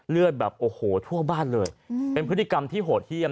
เลือดแบบโอ้โหทั่วบ้านเลยเป็นพฤติกรรมที่โหดเยี่ยม